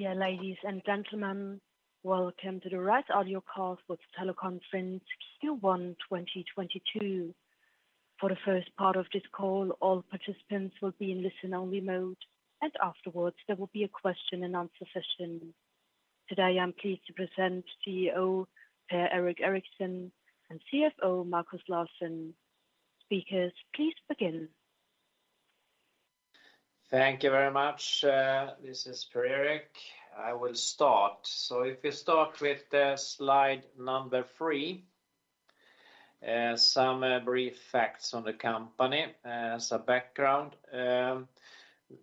Yeah, ladies and gentlemen, welcome to the Arise audio call for the teleconference Q1 2022. For the first part of this call, all participants will be in listen-only mode, and afterwards there will be a question and answer session. Today, I'm pleased to present CEO Per-Erik Eriksson and CFO Markus Larsson. Speakers, please begin. Thank you very much. This is Per-Erik. I will start. If you start with the slide number three, some brief facts on the company. As a background,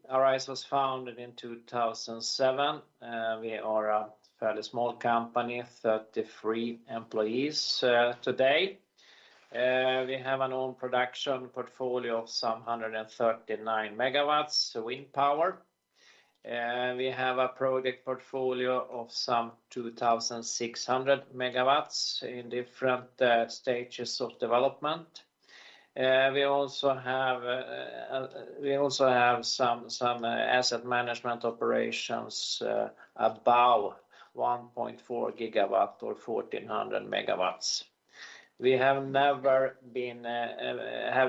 Arise was founded in 2007. We are a fairly small company, 33 employees today. We have an own production portfolio of some 139 MW wind power. We have a project portfolio of some 2,600 MW in different stages of development. We also have some asset management operations, about 1.4 GW or 1,400 MW. We have never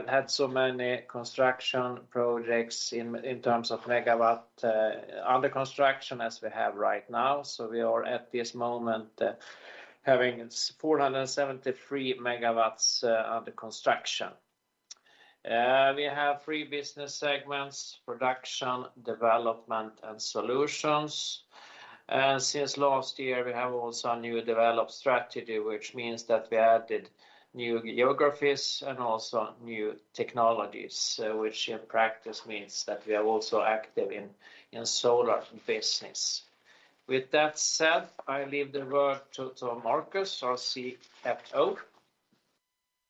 had so many construction projects in terms of megawatts under construction as we have right now. We are at this moment having 473 MW under construction. We have three business segments, Production, Development, and Solutions. Since last year, we have also a new developed strategy, which means that we added new geographies and also new technologies, which in practice means that we are also active in solar business. With that said, I leave the word to Markus Larsson, our CFO.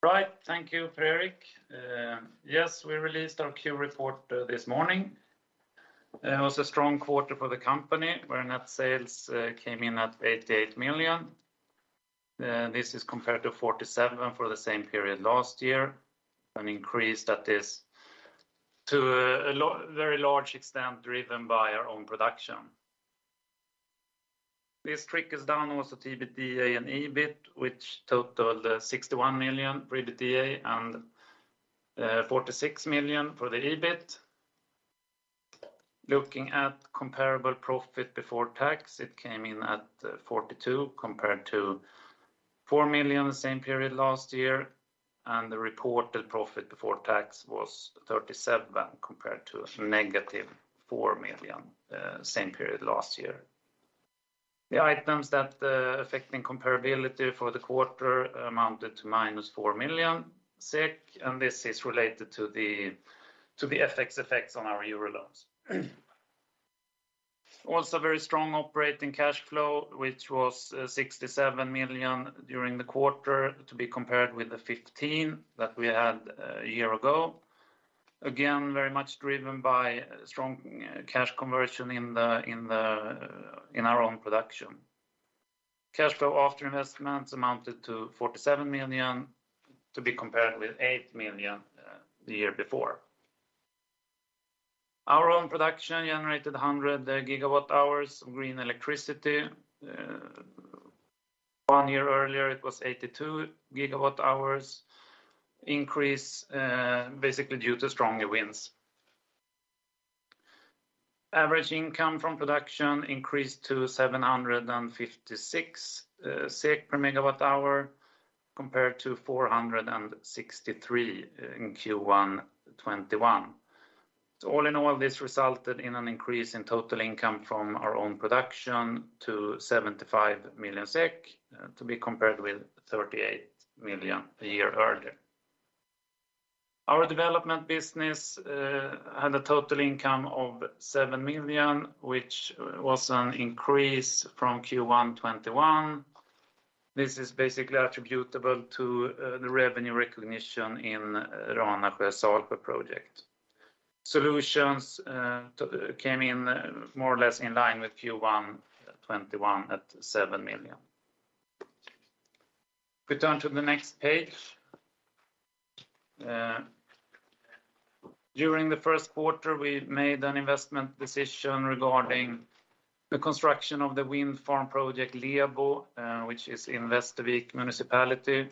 Right. Thank you, Per-Erik. Yes, we released our Q report this morning. It was a strong quarter for the company, where net sales came in at 88 million. This is compared to 47 million for the same period last year, an increase that is to a very large extent driven by our own production. This trickles down also EBITDA and EBIT, which totaled 61 million for EBITDA and 46 million for the EBIT. Looking at comparable profit before tax, it came in at 42 million compared to 4 million the same period last year, and the reported profit before tax was 37 million compared to a negative 4 million same period last year. The items that affecting comparability for the quarter amounted to minus 4 million SEK, and this is related to the FX effects on our euros loans. Also, very strong operating cash flow, which was 67 million during the quarter to be compared with the 15 million that we had a year ago. Again, very much driven by strong cash conversion in our own production. Cash flow after investments amounted to 47 million to be compared with 8 million the year before. Our own production generated 100 GWh of green electricity. One year earlier, it was 82 GWh. Increase basically due to stronger winds. Average income from production increased to 756 SEK per MWh compared to 463 per MWh in Q1 2021. All in all, this resulted in an increase in total income from our own production to 75 million SEK to be compared with 38 million a year earlier. Our development business had a total income of 7 million, which was an increase from Q1 2021. This is basically attributable to the revenue recognition in Ranaskär Solprojekt. Solutions came in more or less in line with Q1 2021 at 7 million. We turn to the next page. During the first quarter, we made an investment decision regarding the construction of the wind farm project, Lebo, which is in Västervik Municipality.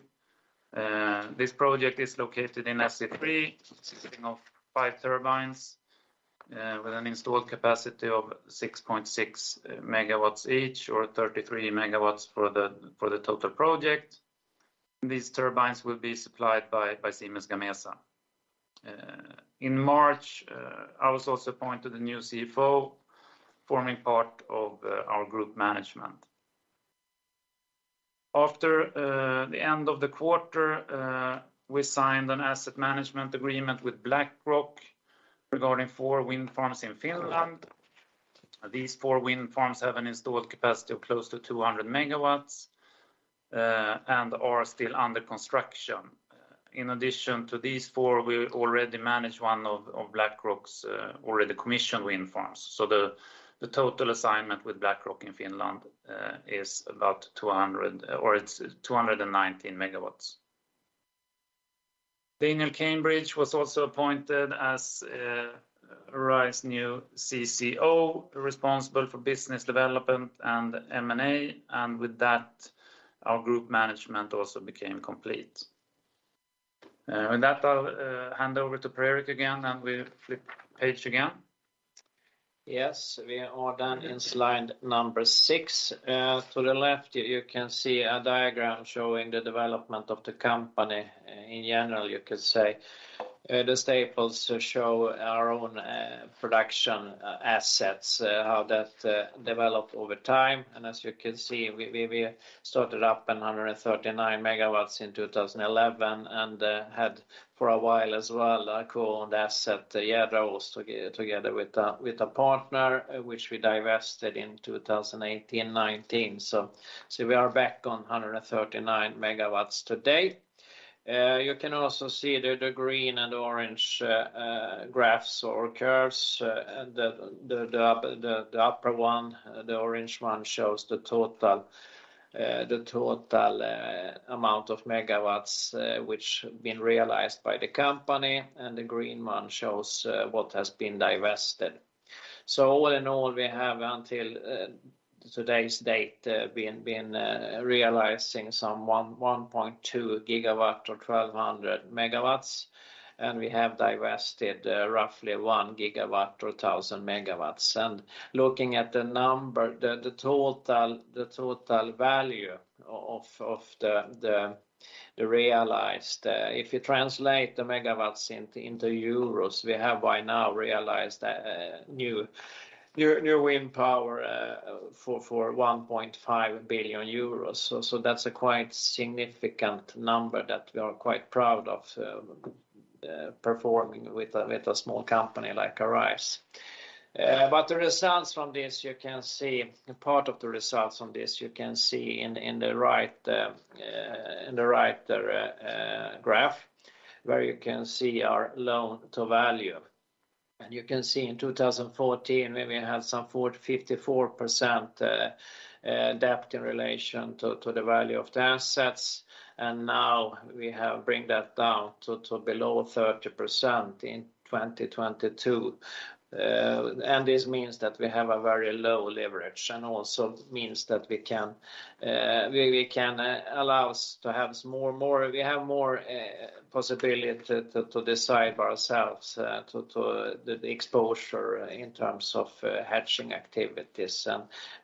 This project is located in SE3, consisting of 5 turbines with an installed capacity of 6.6 MW each, or 33 MW for the total project. These turbines will be supplied by Siemens Gamesa. In March, I was also appointed a new CFO, forming part of our group management. After the end of the quarter, we signed an asset management agreement with BlackRock regarding four wind farms in Finland. These four wind farms have an installed capacity of close to 200 MW, and are still under construction. In addition to these four, we already manage one of BlackRock's already commissioned wind farms. The total assignment with BlackRock in Finland is about 200 or it's 219 MW. Daniel Cambridge was also appointed as Arise new CCO, responsible for business development and M&A, and with that, our group management also became complete. With that, I'll hand over to Per-Erik again, and we flip page again. Yes, we are done in slide number six. To the left, you can see a diagram showing the development of the company. In general, you could say, the staples show our own production assets, how that developed over time. As you can see, we started up in 139 MW in 2011 and had for a while as well a co-owned asset, that was together with a partner, which we divested in 2018, 2019. We are back on 139 MW today. You can also see the green and orange graphs or curves, and the upper one, the orange one shows the total amount of MW which have been realized by the company, and the green one shows what has been divested. All in all, we have until today's date been realizing some 1.2 GWs or 1,200 MW, and we have divested roughly 1 GW or 1,000 MW. Looking at the number, the total value of the realized, if you translate the megawatts into euros, we have by now realized new wind power for 1.5 billion euros. That's a quite significant number that we are quite proud of, performing with a small company like Arise. Part of the results from this you can see in the right graph, where you can see our loan-to-value. You can see in 2014, we may have some 40%-54% debt in relation to the value of the assets. Now we have bring that down to below 30% in 2022. This means that we have a very low leverage and also means that we can allow us to have more. We have more possibility to decide ourselves the exposure in terms of hedging activities.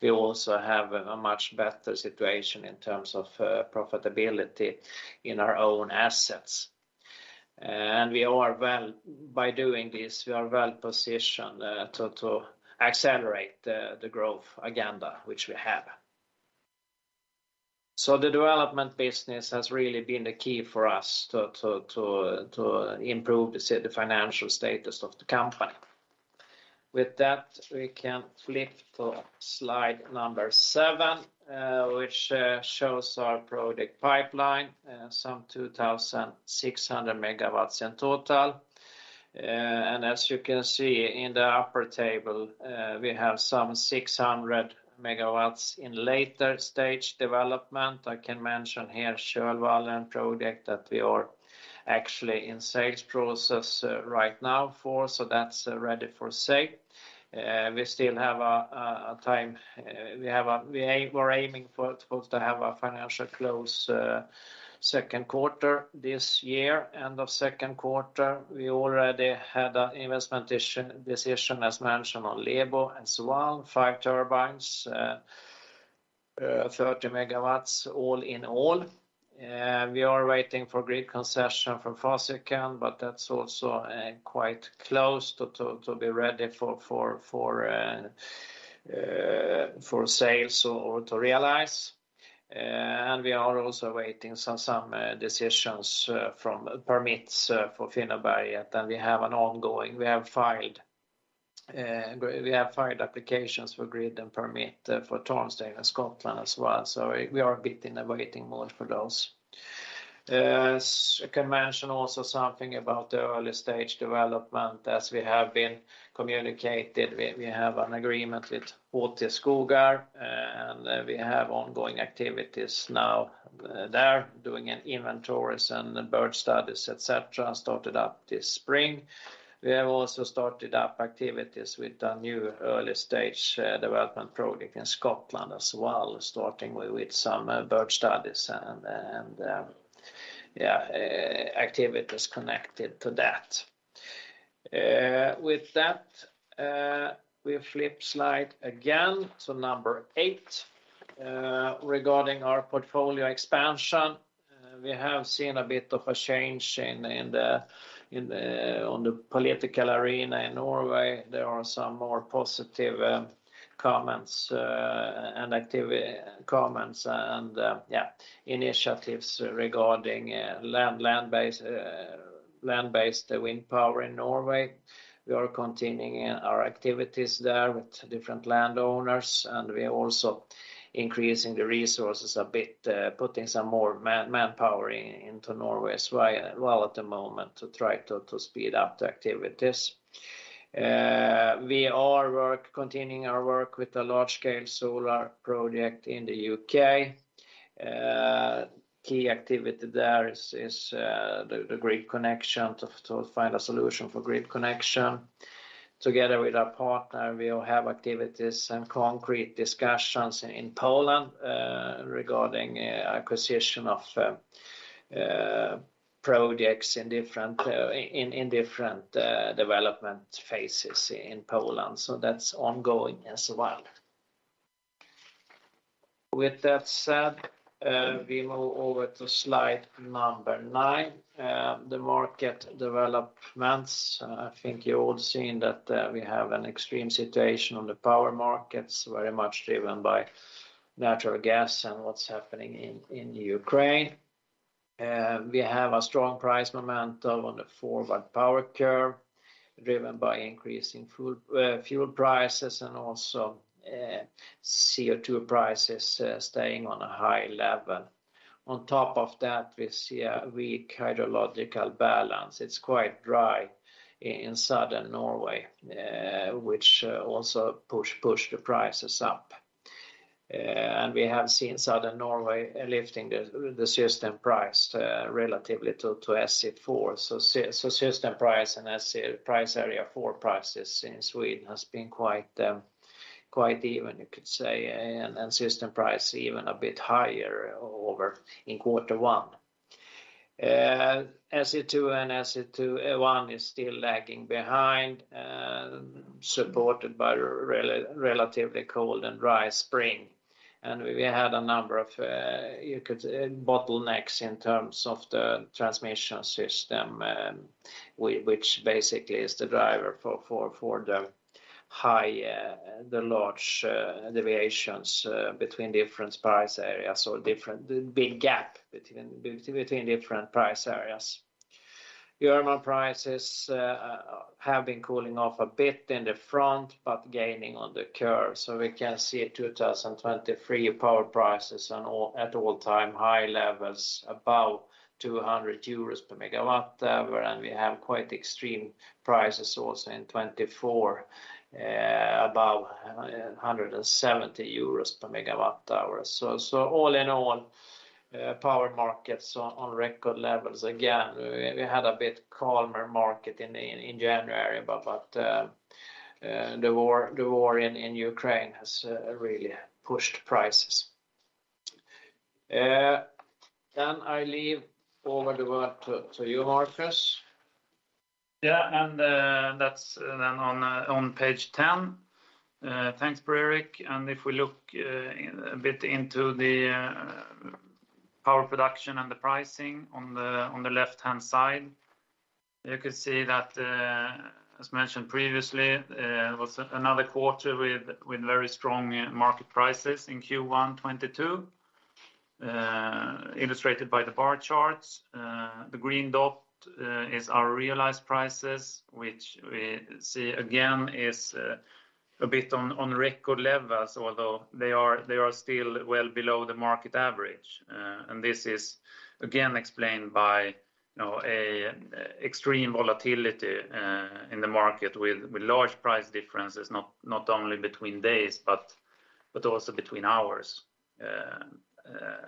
We also have a much better situation in terms of profitability in our own assets. By doing this, we are well-positioned to accelerate the growth agenda which we have. The development business has really been the key for us to improve the financial status of the company. With that, we can flip to slide number seven, which shows our project pipeline, some 2,600 MW in total. As you can see in the upper table, we have some 600 MW in later stage development. I can mention here Kölvallen project that we are actually in sales process right now for, so that's ready for sale. We still have a time, we're aiming for to have a financial close second quarter this year. End of second quarter, we already had a investment decision as mentioned on Lebo and so on, five turbines, 30 MW all in all. We are waiting for grid concession from Svenska Kraftnät, but that's also quite close to be ready for sale, so to realize. We are also waiting some decisions from permits for Finnåberget, and we have filed applications for grid and permit for Tormsdale in Scotland as well. We are a bit in a waiting mode for those. I can mention also something about the early-stage development. As we have been communicated, we have an agreement with HT Skogar, and we have ongoing activities now there, doing inventories and bird studies, et cetera, started up this spring. We have also started up activities with a new early-stage development project in Scotland as well, starting with some bird studies and activities connected to that. With that, we flip to slide number eight. Regarding our portfolio expansion, we have seen a bit of a change on the political arena in Norway. There are some more positive comments and initiatives regarding land-based wind power in Norway. We are continuing our activities there with different landowners, and we are also increasing the resources a bit, putting some more manpower into Norway as well, at the moment to try to speed up the activities. We are continuing our work with the large scale solar project in the UK. Key activity there is the grid connection to find a solution for grid connection. Together with our partner, we'll have activities and concrete discussions in Poland regarding acquisition of projects in different development phases in Poland. That's ongoing as well. With that said, we move over to slide number nine. The market developments. I think you're all seeing that we have an extreme situation on the power markets, very much driven by natural gas and what's happening in Ukraine. We have a strong price momentum on the forward power curve, driven by increasing fuel prices and also CO2 prices staying on a high level. On top of that, we see a weak hydrological balance. It's quite dry in Southern Norway, which also push the prices up. We have seen Southern Norway lifting the system price relatively to SE4. System price and SE price area 4 prices in Sweden has been quite even, you could say, and system price even a bit higher over in quarter one. SE2 and SE1, one is still lagging behind, supported by relatively cold and dry spring. We had a number of bottlenecks in terms of the transmission system, which basically is the driver for the high, the large deviations between different price areas or different, the big gap between different price areas. German prices have been cooling off a bit in the front, but gaining on the curve. We can see 2023 power prices at all-time high levels, above 200 euros per MWh. We have quite extreme prices also in 2024, above 170 euros per MWh. All in all, power markets on record levels. Again, we had a bit calmer market in January, but the war in Ukraine has really pushed prices. I hand over the word to you, Markus. Yeah. That's then on page 10. Thanks, Per-Erik. If we look a bit into the power production and the pricing on the left-hand side, you can see that, as mentioned previously, was another quarter with very strong market prices in Q1 2022, illustrated by the bar charts. The green dot is our realized prices, which we see again is a bit on record levels, although they are still well below the market average. This is again explained by, you know, an extreme volatility in the market with large price differences, not only between days but also between hours.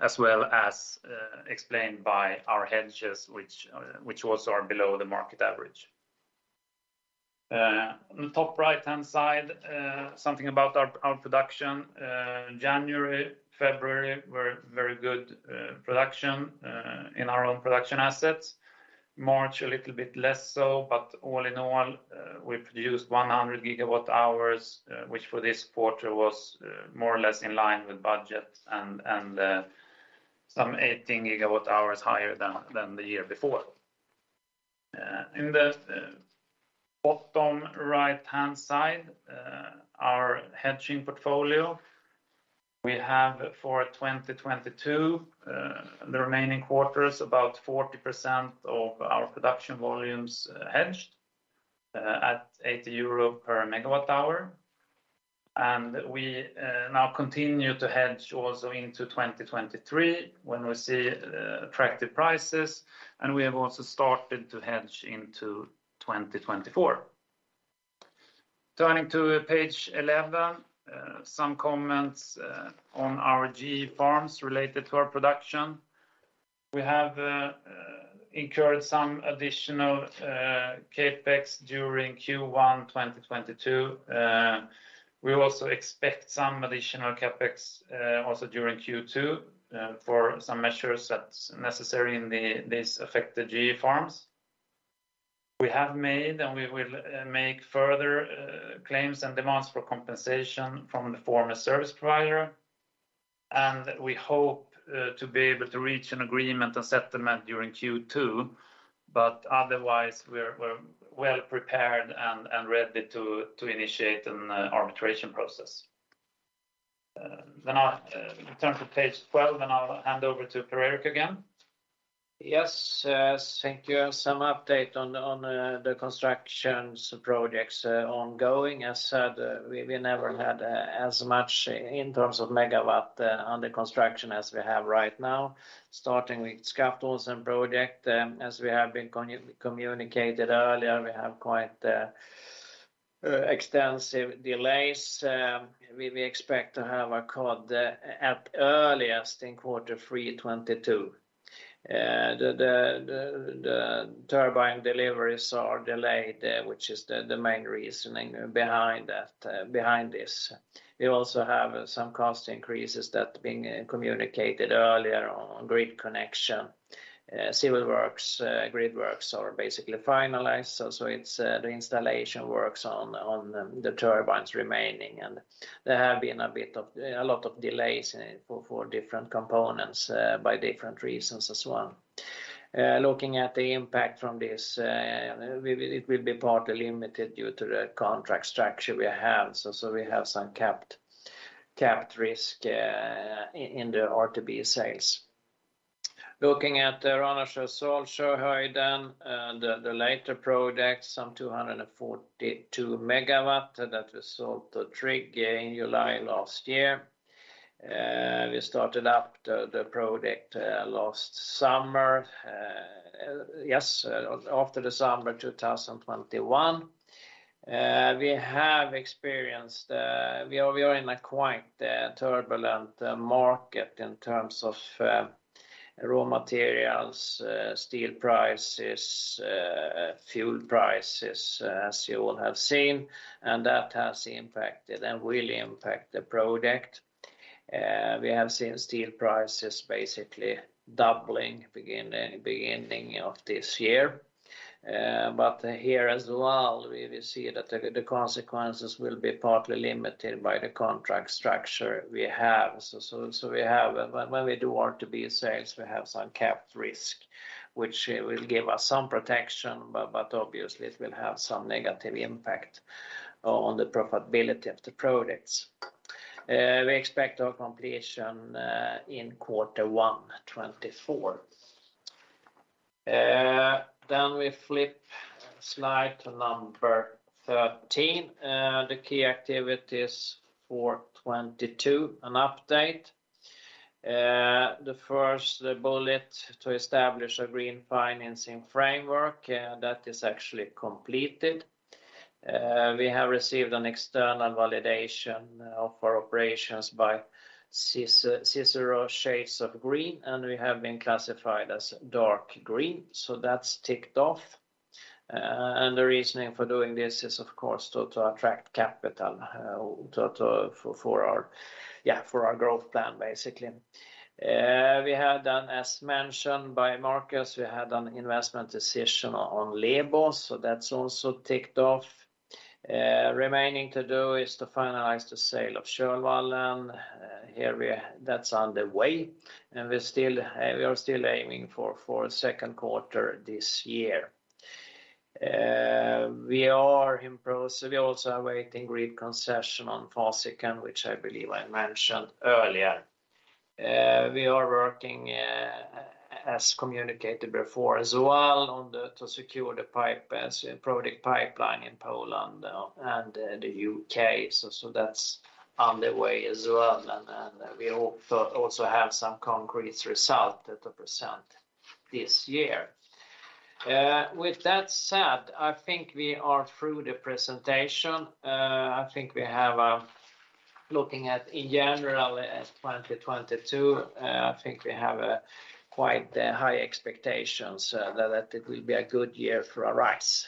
As well as explained by our hedges, which also are below the market average. On the top right-hand side, something about our production. January, February were very good production in our own production assets. March, a little bit less so, but all in all, we produced 100 GWh, which for this quarter was more or less in line with budget and some 18 GWh higher than the year before. In the bottom right-hand side, our hedging portfolio, we have for 2022 the remaining quarters, about 40% of our production volumes hedged at EUR 80 per MWh. We now continue to hedge also into 2023 when we see attractive prices. We have also started to hedge into 2024. Turning to page 11, some comments on our GE farms related to our production. We have incurred some additional CapEx during Q1 2022. We also expect some additional CapEx also during Q2 for some measures that's necessary in these affected GE farms. We have made, and we will make further claims and demands for compensation from the former service provider, and we hope to be able to reach an agreement and settlement during Q2. Otherwise, we're well prepared and ready to initiate an arbitration process. I'll turn to page 12, then I'll hand over to Per-Erik again. Yes, yes. Thank you. Some update on the construction projects ongoing. As said, we never had as much in terms of MW under construction as we have right now. Starting with Skaftåsen project, as we have been communicated earlier, we have quite extensive delays. We expect to have a COD at earliest in quarter three 2022. The turbine deliveries are delayed, which is the main reasoning behind that behind this. We also have some cost increases that being communicated earlier on grid connection. Civil works, grid works are basically finalized, so it's the installation works on the turbines remaining and there have been a bit of a lot of delays for different components by different reasons as well. Looking at the impact from this, we, it will be partly limited due to the contract structure we have. We have some capped risk in the RTB sales. Looking at Ranasjö and Salsjöhöjden, the later project, some 242 MW that we sold to TRIG in July last year. We started up the project last summer. Yes, after December 2021. We have experienced. We are in a quite turbulent market in terms of raw materials, steel prices, fuel prices, as you all have seen, and that has impacted and will impact the project. We have seen steel prices basically doubling beginning of this year. But here as well we see that the consequences will be partly limited by the contract structure we have. We have... When we do RTB sales, we have some capped risk, which will give us some protection, but obviously it will have some negative impact on the profitability of the projects. We expect our completion in quarter one 2024. We flip to slide number 13. The key activities for 2022, an update. The first bullet, to establish a Green Financing Framework, that is actually completed. We have received an external validation for operations by CICERO Shades of Green, and we have been classified as dark green. That's ticked off. The reasoning for doing this is, of course, to attract capital for our growth plan, basically. We had done, as mentioned by Markus Larsson, we had an investment decision on Lebo, so that's also ticked off. Remaining to do is to finalize the sale of Kölvallen. That's on the way, and we are still aiming for second quarter this year. We're also awaiting grid concession on Skaftåsen, which I believe I mentioned earlier. We are working, as communicated before as well, on the to secure the product pipeline in Poland and the UK. That's on the way as well, and we hope for, also have some concrete result at present this year. With that said, I think we are through the presentation. Looking at in general at 2022, I think we have quite high expectations that it will be a good year for Arise.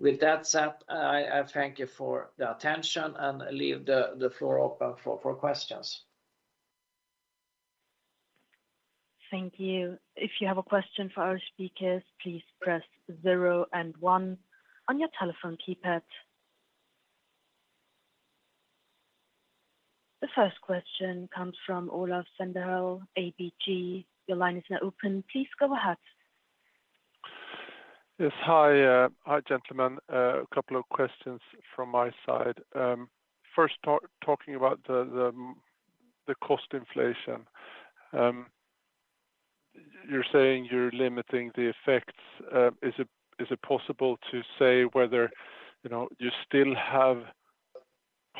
With that said, I thank you for the attention and leave the floor open for questions. Thank you. If you have a question for our speakers, please press zero and one on your telephone keypad. The first question comes from Olof Sandh, ABG. Your line is now open. Please go ahead. Yes. Hi, gentlemen. A couple of questions from my side. First, talking about the cost inflation. You're saying you're limiting the effects. Is it possible to say whether, you know, you still have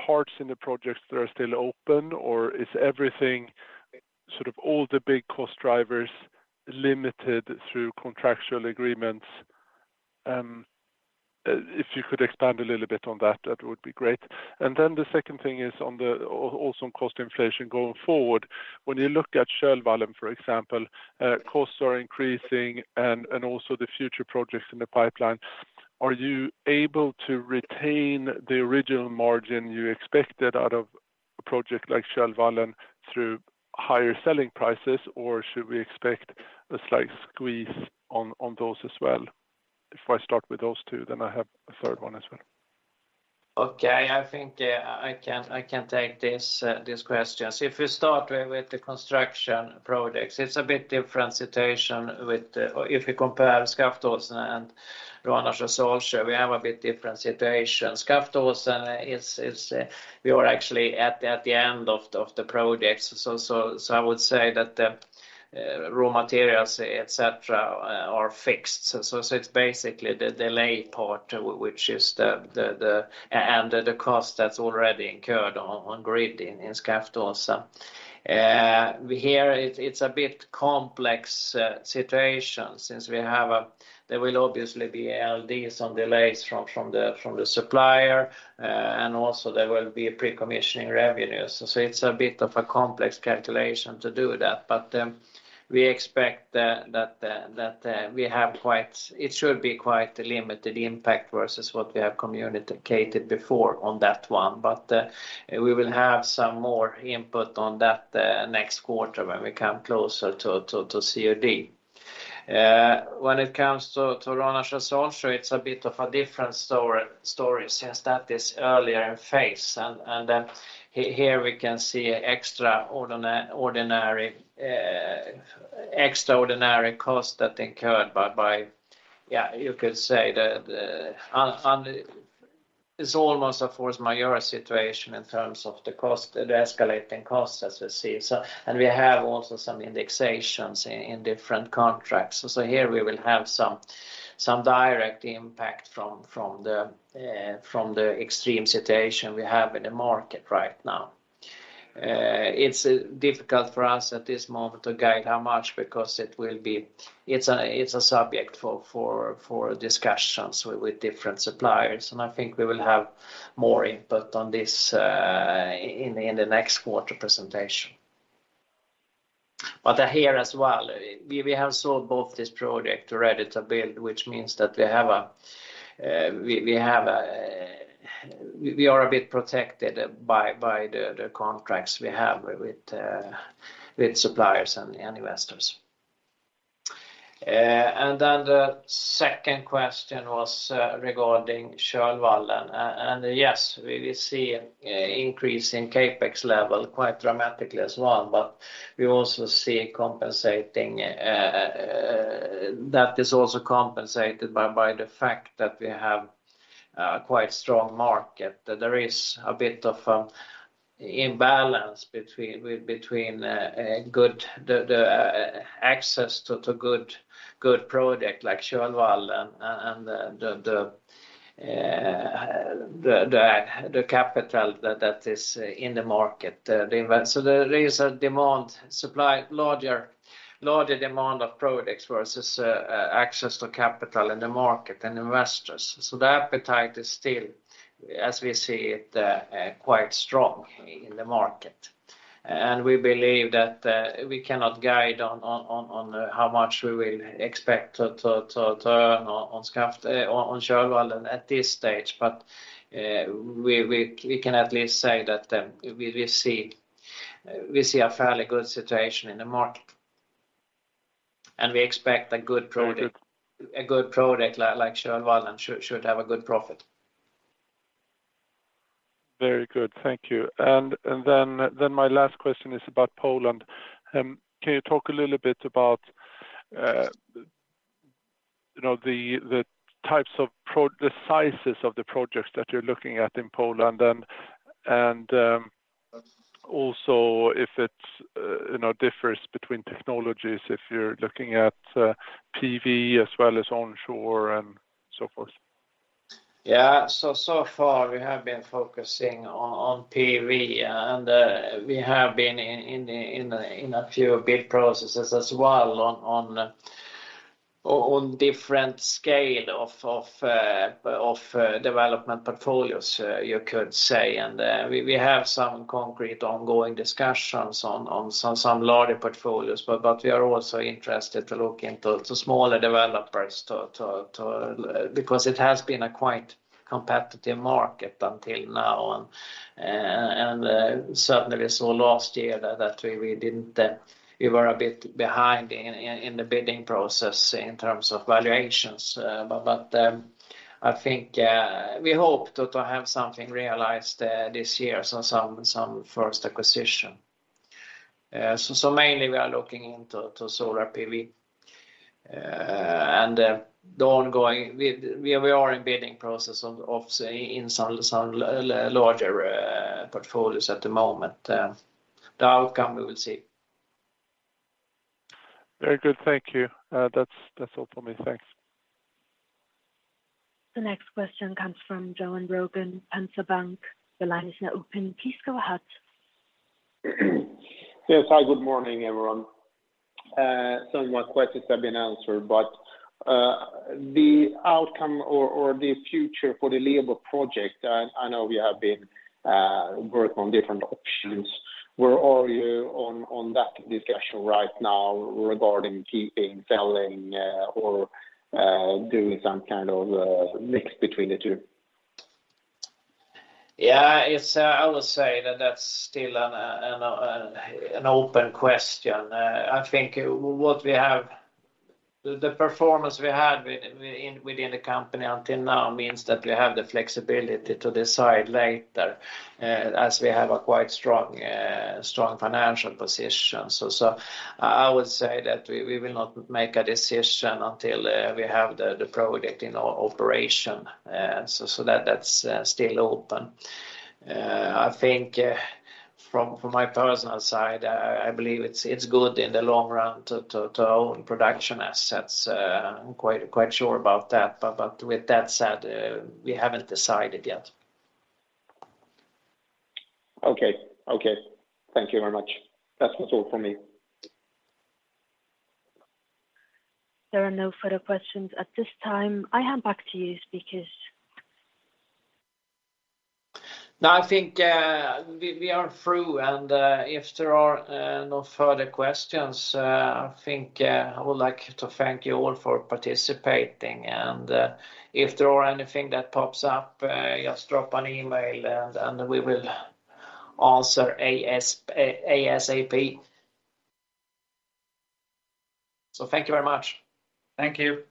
parts in the projects that are still open, or is everything, sort of all the big cost drivers, limited through contractual agreements? If you could expand a little bit on that would be great. Then the second thing is also on cost inflation going forward. When you look at Kölvallen, for example, costs are increasing and also the future projects in the pipeline, are you able to retain the original margin you expected out of a project like Kölvallen through higher selling prices? Or should we expect a slight squeeze on those as well? If I start with those two, then I have a third one as well. Okay. I think, yeah, I can take these questions. If we start with the construction projects, it's a bit different situation if you compare Skaftåsen and Ranasjö & Salsjö, we have a bit different situation. Skaftåsen is. We are actually at the end of the project. I would say that the raw materials, et cetera, are fixed. It's basically the delay part and the cost that's already incurred on grid in Skaftåsen. We're in it. It's a bit complex situation. There will obviously be LDs on delays from the supplier, and also there will be pre-commissioning revenues. It's a bit of a complex calculation to do that. We expect that it should be quite a limited impact versus what we have communicated before on that one. We will have some more input on that next quarter when we come closer to COD. When it comes to Ranasjö & Salsjö, it's a bit of a different story since that is earlier in phase. Here we can see extraordinary cost that incurred by, yeah, you could say that. It's almost a force majeure situation in terms of the cost, the escalating costs as we see. We have also some indexations in different contracts. Here we will have some direct impact from the extreme situation we have in the market right now. It's difficult for us at this moment to guide how much because it's a subject for discussions with different suppliers. I think we will have more input on this in the next quarter presentation. Here as well, we have sold both this project to Ready-to-Build, which means that we are a bit protected by the contracts we have with suppliers and investors. The second question was regarding Kölvallen. Yes, we will see increase in CapEx level quite dramatically as well, but we also see compensating that is also compensated by the fact that we have a quite strong market. There is a bit of imbalance between the access to good project like Kölvallen and the capital that is in the market. There is larger demand of products versus access to capital in the market and investors. The appetite is still, as we see it, quite strong in the market. We believe that we cannot guide on how much we will expect to earn on Kölvallen at this stage. We can at least say that we see a fairly good situation in the market. We expect a good product like Kölvallen should have a good profit. Very good. Thank you. My last question is about Poland. Can you talk a little bit about you know the types of the sizes of the projects that you're looking at in Poland and also if it's you know differs between technologies if you're looking at PV as well as onshore and so forth? So far, we have been focusing on PV, and we have been in a few bid processes as well on different scale of development portfolios, you could say. We have some concrete ongoing discussions on some larger portfolios, but we are also interested to look into smaller developers because it has been a quite competitive market until now. Certainly we saw last year that we were a bit behind in the bidding process in terms of valuations. But I think we hope to have something realized this year, so some first acquisition. Mainly we are looking into solar PV. We are in bidding process of in some larger portfolios at the moment. The outcome, we will see. Very good. Thank you. That's all for me. Thanks. The next question comes from Johan Rogen, Handelsbanken. The line is now open. Please go ahead. Yes. Hi, good morning, everyone. Some of my questions have been answered, but the outcome or the future for the Lebo project, I know you have been working on different options. Where are you on that discussion right now regarding keeping, selling, or doing some kind of mix between the two? Yeah, it's, I would say that that's still an open question. I think the performance we had within the company until now means that we have the flexibility to decide later, as we have a quite strong financial position. I would say that we will not make a decision until we have the project in operation. That's still open. I think from my personal side, I believe it's good in the long run to own production assets. I'm quite sure about that. With that said, we haven't decided yet. Okay. Thank you very much. That's all for me. There are no further questions at this time. I hand back to you, speakers. No, I think we are through, and if there are no further questions, I think I would like to thank you all for participating. If there are anything that pops up, just drop an email and we will answer ASAP. Thank you very much. Thank you.